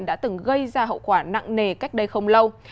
đã từng gây ra hậu quả nặng nề cách đây không lâu